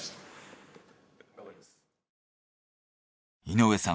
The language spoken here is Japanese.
井上さん